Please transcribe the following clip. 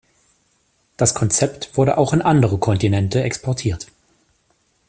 Das Konzept wurde auch in andere Kontinente exportiert.